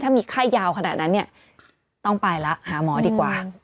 ถ้ามีไข้ยาวขนาดนั้นเนี่ยต้องไปแล้วหาหมอดีกว่า